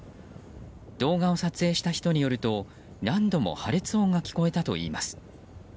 動画を撮影した人によると何度も破裂音が聞こえたといいます。